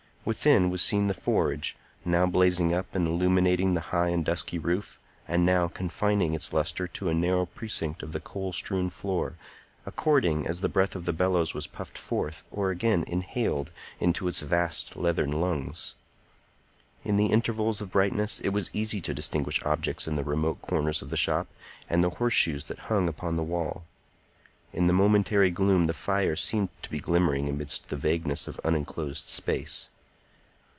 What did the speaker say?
Within was seen the forge, now blazing up and illuminating the high and dusky roof, and now confining its lustre to a narrow precinct of the coal strewn floor, according as the breath of the bellows was puffed forth or again inhaled into its vast leathern lungs. In the intervals of brightness it was easy to distinguish objects in remote corners of the shop and the horseshoes that hung upon the wall; in the momentary gloom the fire seemed to be glimmering amidst the vagueness of unenclosed space.